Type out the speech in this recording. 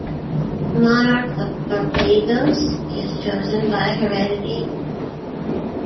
The Monarch of Barbados is chosen by heredity.